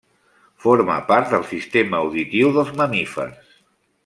Forma part del sistema auditiu dels mamífers.